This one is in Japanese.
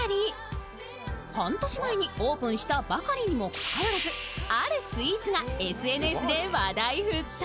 半年前にオープンしたばかりにもかかわらずあるスイーツがＳＮＳで話題沸騰。